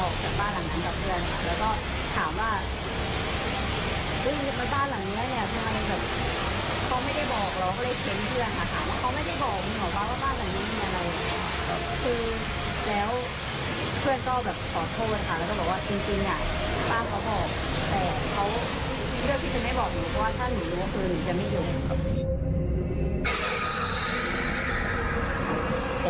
ครับพี่